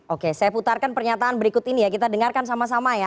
oke saya putarkan pernyataan berikut ini ya kita dengarkan sama sama ya